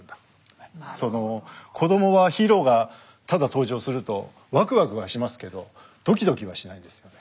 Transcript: その子どもはヒーローがただ登場するとワクワクはしますけどドキドキはしないんですよね。